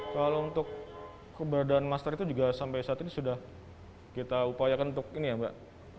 kalau untuk keberadaan master itu juga sampai saat ini sudah kita upayakan untuk ini ya mbak